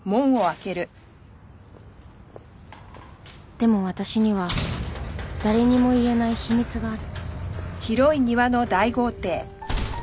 でも私には誰にも言えない秘密がある